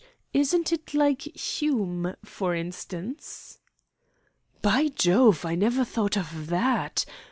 Isn't it like Hume, for instance?" "By Jove! I never thought of that.